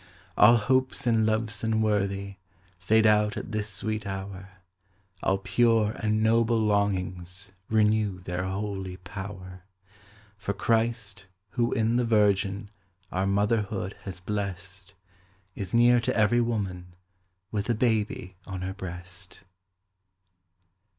All hopes and loves unworthy Fade out at this sweet hour; All pure and noble longings Renew their holy power; For Christ, who in the Virgin Our motherhood has blest. Is near to every woman With a baby on her breast.